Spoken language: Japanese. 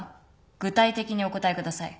具体的にお答えください。